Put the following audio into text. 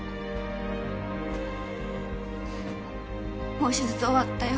もう手術終わったよ。